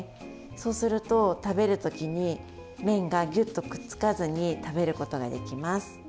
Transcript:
そうすると食べるときに麺がギュッとくっつかずに食べることができます。